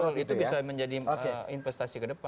betul itu bisa menjadi investasi kedepan